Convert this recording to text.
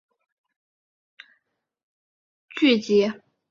周六时段剧集周末时段剧集